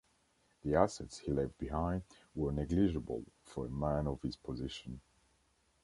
The assets he left behind were negligible for a man of his position.